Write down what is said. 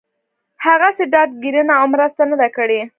هغسې ډاډ ګيرنه او مرسته نه ده کړې